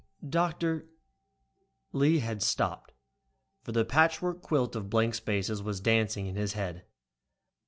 "Doctor " Lee had to stop, for the patchwork quilt of blank spaces was dancing in his head.